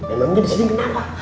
emangnya disini kenapa